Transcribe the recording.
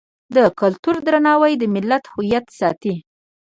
د کلتور درناوی د ملت هویت ساتي.